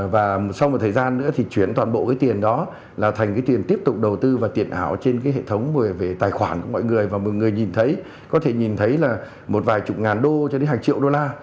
và sau một thời gian nữa thì chuyển toàn bộ cái tiền đó là thành cái tiền tiếp tục đầu tư vào tiền ảo trên cái hệ thống về tài khoản của mọi người và một người nhìn thấy có thể nhìn thấy là một vài chục ngàn đô cho đến hàng triệu đô la